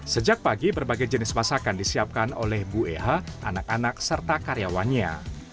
sebagi berbagai jenis masakan disiapkan oleh ibu eha anak anak serta karyawannya